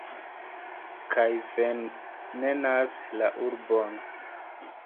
Kaj venenas la urbon.